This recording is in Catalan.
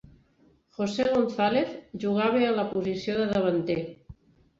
José González jugava en la posició de davanter.